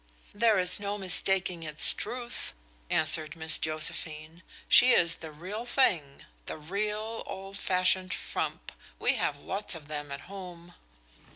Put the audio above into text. "There is no mistaking its truth," answered Josephine. "She is the real thing the real old fashioned frump we have lots of them at home."